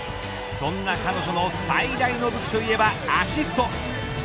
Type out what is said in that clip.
そんな彼女の最大の武器といえばアシスト。